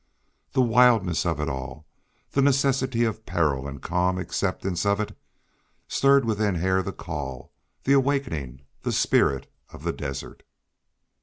The wildness of it all, the necessity of peril and calm acceptance of it, stirred within Hare the call, the awakening, the spirit of the desert.